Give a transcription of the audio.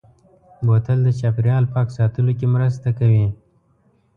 بوتل د چاپېریال پاک ساتلو کې مرسته کوي.